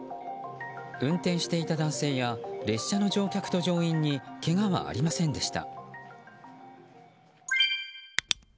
運転していた男性や列車の乗客と乗員にけがはありませんでした。